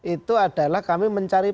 itu adalah kami mencari